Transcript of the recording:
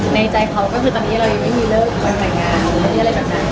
ในใจเขาตอนนี้เรายังไม่มีเลิกไปไหลงานหรืออะไรแบบนั้น